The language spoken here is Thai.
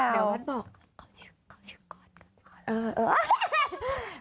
เดี๋ยววันบอกเขาชื่อก่อน